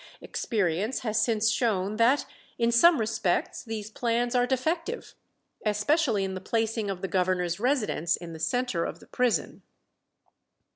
Experience has since shown that in some respects these plans are defective, especially in the placing of the governor's residence in the centre of the prison.